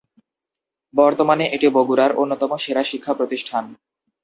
বর্তমানে এটি বগুড়ার অন্যতম সেরা শিক্ষা প্রতিষ্ঠান।